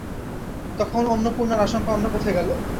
তখন অন্নপূর্ণার আশঙ্কা অন্য পথে গেল।